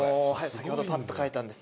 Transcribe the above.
先ほどパッと描いたんですけど。